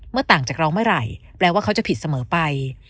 ต่างจากเราเมื่อไหร่แปลว่าเขาจะผิดเสมอไป